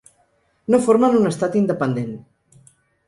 No formen un estat independent.